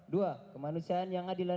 dua kemanusiaan yang adil al mu'ad